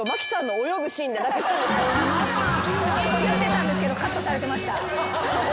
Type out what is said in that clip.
言ってたんですけどカットされてました。